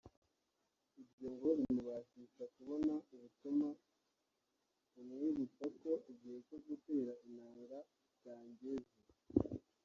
Ibyo ngo bimubashisha kubona ubutumwa bumwibutsa ko igihe cyo gutera intanga cyangeze